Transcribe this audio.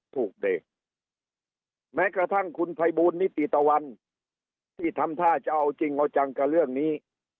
ถูกเบรกแม้กระทั่งคุณภัยบูลนิติตะวันที่ทำท่าจะเอาจริงเอาจังกับเรื่องนี้